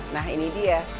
nah ini dia